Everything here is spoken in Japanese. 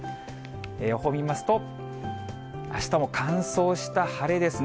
予報見ますと、あしたも乾燥した晴れですね。